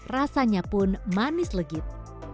rasanya pun manis legit